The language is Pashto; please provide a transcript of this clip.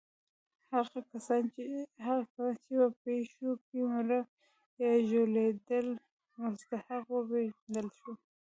هغه کسان چې په پېښو کې مړه یا ژوبلېدل مستحق وپېژندل شول.